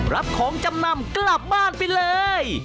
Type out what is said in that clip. รับของกลับบ้านไปเลย